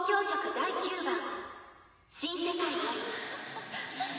第９番「新世界より」。